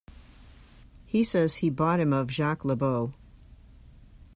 He says he bought him of Jacques Le Beau.